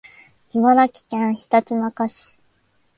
茨城県ひたちなか市